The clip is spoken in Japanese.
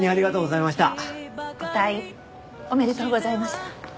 ご退院おめでとうございます。